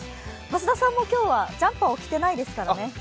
増田さんも今日はジャンパーを着てないですからね。